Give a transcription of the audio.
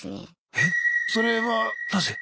えっそれはなぜ？